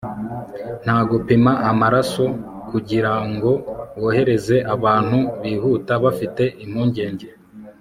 nta gupima amaraso kugirango wohereze abantu bihuta bafite impungenge